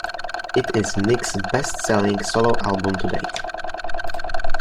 It is Nicks' best-selling solo album to date.